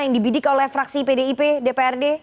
yang dibidik oleh fraksi pdip dprd